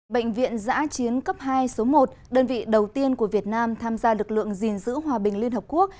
bệnh viện giã chiến cấp hai số một đơn vị đầu tiên của việt nam tham gia lực lượng gìn giữ hòa bình liên hợp quốc